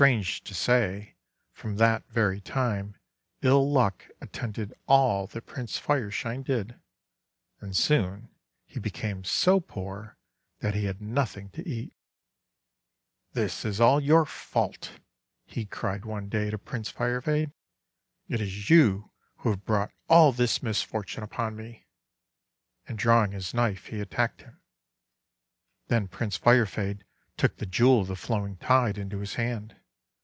Strange to say, from that very time ill luck attended all that Prince Fireshine did, and soon he became so poor that he had nothing to eat. "This is all your fault!" he cried one day to Prince Firefade. "It is you who have brought all this misfortune upon me!' And drawing his knife, he attacked him. Then Prince Firefade took the Jewel of the Flo wing Tide into his hand.